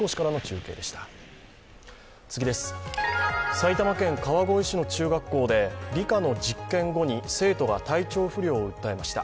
埼玉県川越市の中学校で理科の実験後に生徒が体調不良を訴えました。